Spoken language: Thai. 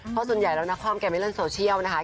เพราะส่วนใหญ่แล้วนครแกไม่เล่นโซเชียลนะคะ